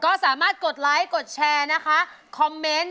ก็สามารถกดไลค์กดแชร์นะคะคอมเมนต์